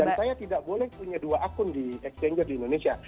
saya tidak boleh punya dua akun di exchanger di indonesia